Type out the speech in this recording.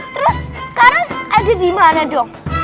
terus sekarang aja di mana dong